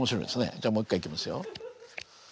じゃあもう一回いきますよ。